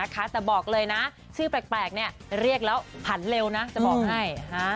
แต่บอกเลยนะชื่อแปลกเรียกแล้วผันเร็วนะจะบอกให้